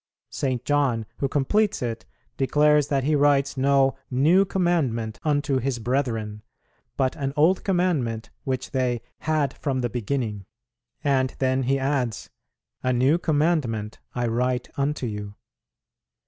St. John, who completes it, declares that he writes no "new commandment unto his brethren," but an old commandment which they "had from the beginning." And then he adds, "A new commandment I write unto you."